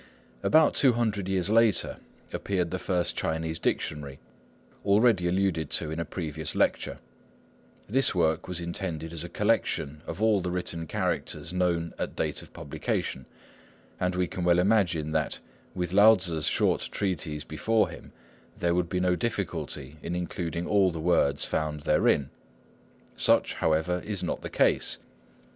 About two hundred years later appeared the first Chinese dictionary, already alluded to in a previous lecture. This work was intended as a collection of all the written characters known at date of publication; and we can well imagine that, with Lao Tzŭ's short treatise before him, there would be no difficulty in including all the words found therein. Such, however, is not the case.